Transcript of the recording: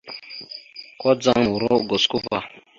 Kudzaŋ noro ogusko va.